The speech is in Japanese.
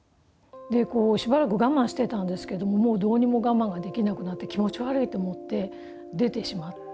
でこうしばらく我慢してたんですけどもうどうにも我慢ができなくなって気持ち悪いと思って出てしまったんです。